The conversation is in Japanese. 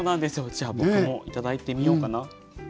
じゃあ僕もいただいてみようかな。